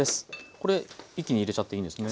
これ一気に入れちゃっていいんですね。